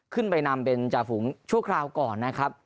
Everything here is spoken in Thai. นำเป็นจ่าฝูงชั่วคราวก่อนนะครับ